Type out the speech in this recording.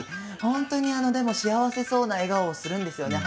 本当にでも幸せそうな笑顔をするんですよね